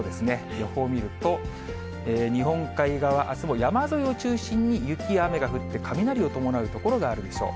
予報見ると、日本海側、あすも山沿いを中心に雪や雨が降って、雷を伴う所があるでしょう。